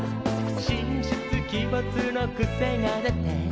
「神出鬼没のクセが出て」